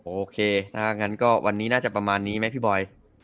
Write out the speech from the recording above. โอเคถ้างั้นก็วันนี้น่าจะประมาณนี้ไหมพี่บอย